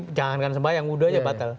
jadi jangan kan sembahyang udo aja batal